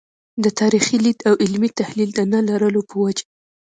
د تاریخي لید او علمي تحلیل د نه لرلو په وجه.